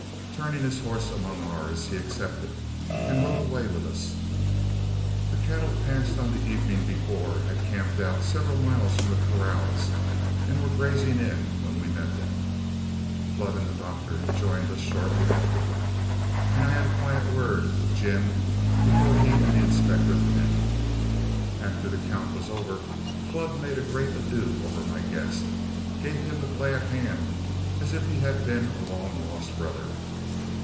Turning his horse among ours, he accepted and rode away with us. The cattle passed on the evening before had camped out several miles from the corrals and were grazing in when we met them. Flood and the Doctor joined us shortly afterward, and I had a quiet word with Jim before he and the inspector met. After the count was over, Flood made a great ado over my guest and gave him the glad hand as if he had been a long lost brother.